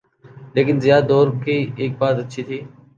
لیکن ضیاء دور کی ایک بات اچھی تھی۔